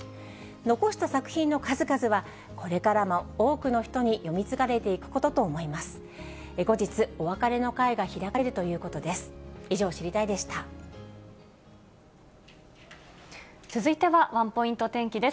残した作品の数々は、これからも多くの人に読み継がれていくことと思います。